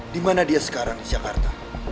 dimana dia sekarang di jakarta